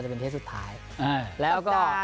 ช่วยเทพธรรมไทยรัช